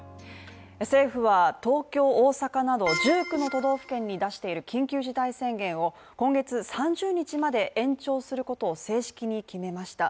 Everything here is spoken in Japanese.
政府は東京、大阪など１９の都道府県に出している緊急事態宣言を今月３０日まで延長することを正式に決めました